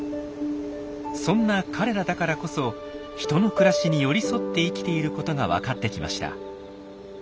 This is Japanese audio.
そんな彼らだからこそ人の暮らしに寄り添って生きていることがわかってきました。